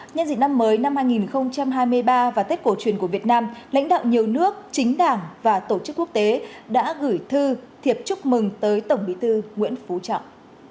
nhân dịp năm mới năm hai nghìn hai mươi ba và tết cổ truyền của việt nam lãnh đạo nhiều nước chính đảng và tổ chức quốc tế đã gửi thư thiệp chúc mừng tới tổng bí thư nguyễn phú trọng